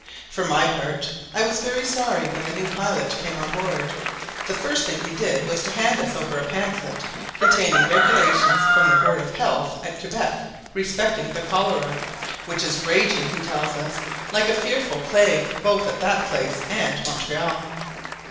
For my part I was very sorry when the new pilot came on board; the first thing he did was to hand us over a pamphlet, containing regulations from the Board of Health at Quebec respecting the cholera, which is raging, he tells us, like a fearful plague both at that place and Montreal.